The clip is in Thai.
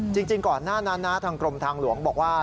จริงก่อนนานทางกรมทางหลวงบอกว่า